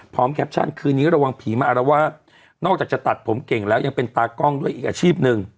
แคปชั่นคืนนี้ระวังผีมาอารวาสนอกจากจะตัดผมเก่งแล้วยังเป็นตากล้องด้วยอีกอาชีพหนึ่ง